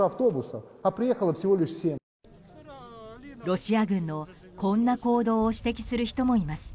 ロシア軍のこんな行動を指摘する人もいます。